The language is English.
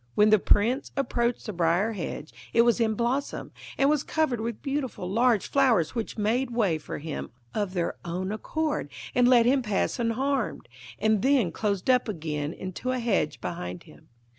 When the Prince approached the briar hedge it was in blossom, and was covered with beautiful large flowers which made way for him of their own accord and let him pass unharmed, and then closed up again into a hedge behind him.